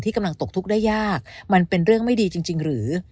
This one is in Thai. กำลังตกทุกข์ได้ยากมันเป็นเรื่องไม่ดีจริงหรือ